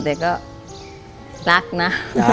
แต่ก็รักนะ